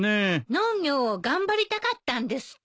農業を頑張りたかったんですって。